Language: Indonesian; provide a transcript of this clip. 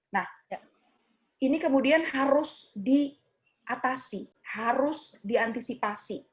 nah ini kemudian harus diatasi harus diantisipasi